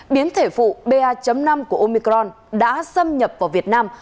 biến thể phụ ba năm của omicron đã xâm nhập vào việt nam